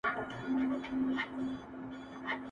هنر هنر سوم زرګري کوومه ښه کوومه,